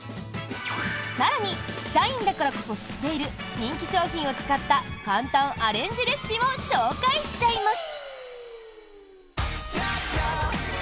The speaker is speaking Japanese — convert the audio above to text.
更に、社員だからこそ知っている人気商品を使った簡単アレンジレシピも紹介しちゃいます！